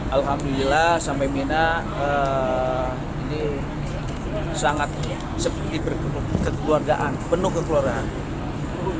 alhamdulillah sampai mirna ini sangat seperti berkeluargaan penuh kekeluargaan